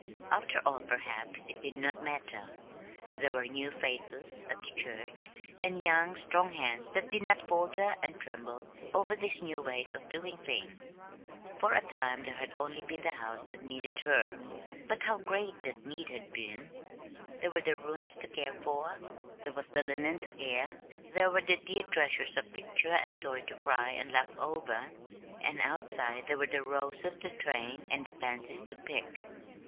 After all, perhaps it did not matter; there were new faces at the church, and young, strong hands that did not falter and tremble over these new ways of doing things. For a time there had been only the house that needed her but how great that need had been! There were the rooms to care for, there was the linen to air, there were the dear treasures of picture and toy to cry and laugh over; and outside there were the roses to train and the pansies to pick.